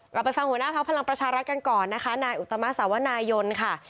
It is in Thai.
ไปฟังหัวหน้าพักพลังประชารัฐกันก่อนนะคะนายอุตมะสาวนายนค่ะ